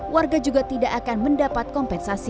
warga juga tidak akan mendapat kompensasi